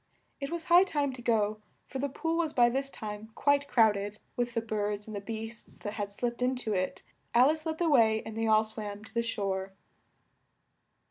It was high time to go, for the pool was by this time quite crowded with the birds and beasts that had slipped in to it. Al ice led the way and they all swam to the shore.